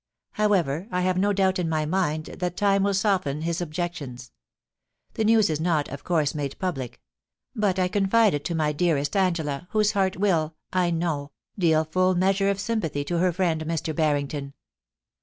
However, I have no doubt in my mind that time will soften his objections. The news is not, of course, made public ; but I confide it to my dearest Angela, whose heart will, I know, deal full measure of sympathy to her friend Mr. Barrington.'